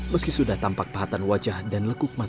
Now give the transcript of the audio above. meski sudah tampak pahatan wajah dan lekuk mata